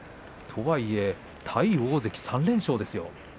とはいえ対大関戦３連勝です。